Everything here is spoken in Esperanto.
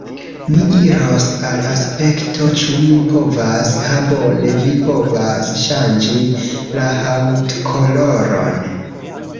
Mi iros al Aspekto. Ĉu mi povas... ha bone! Vi povas ŝanĝi la haŭtkoloron.